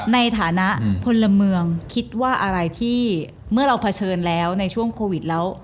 ในฐานะพลเมืองคิดว่าอะไรที่เมื่อเราเผชิญแล้วในช่วงโควิดแล้ว